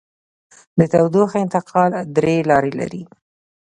د تودوخې انتقال درې لارې لري.